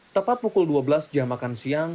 tepat pukul dua belas jam makan siang